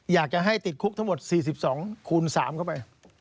อยากจะให้ติดคุกทั้งหมด๔๒คูณ๓เข้าไป